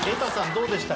どうでしたか？